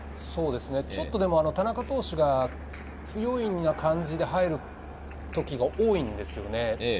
ちょっと田中投手が不用意な感じで入ることが多いんですよね。